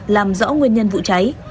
làm rõ nguyên nhân vụ cháy